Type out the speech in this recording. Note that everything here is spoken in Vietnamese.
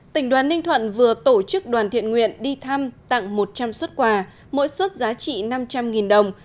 tỉnh đoàn ninh thuận vừa tổ chức đoàn thiện nguyện đi thăm tặng một trăm linh xuất quà mỗi xuất giá trị năm trăm linh đồng